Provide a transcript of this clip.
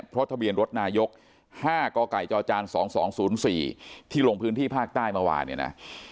พระทะเบียนรถนายกห้าก่อก่ายจอจานสองสองศูนย์สี่ที่ลงพื้นที่ภาคใต้เมื่อวานเนี่ยน่ะ